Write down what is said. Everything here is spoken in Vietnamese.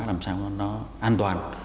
làm sao nó an toàn